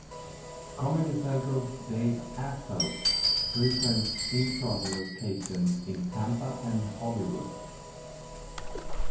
Comedy Central's Dave Attell frequents Improv locations in Tampa and Hollywood.